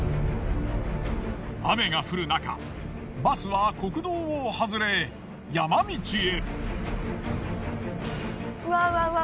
雨が降る中バスは国道を外れ山道へ。